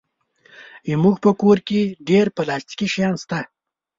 زموږ په کور کې ډېر پلاستيکي شیان شته.